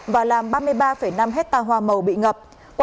và làm ba mươi ba năm hectare hoa màu bị ngập